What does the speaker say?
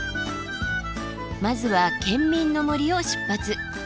まずは県民の森を出発。